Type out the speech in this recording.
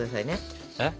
えっ？